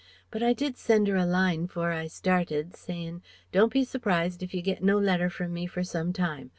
But I did send her a line 'fore I started, sayin', 'Don't be surprised if you get no letter from me for some time.